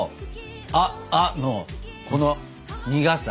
ア．アのこの苦さ。